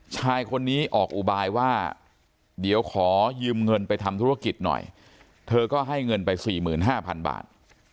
ชายคนนี้ออกอุบายว่าเดี๋ยวขอยืมเงินไปทำธุรกิจหน่อยเธอก็ให้เงินไป๔๕๐๐๐บาท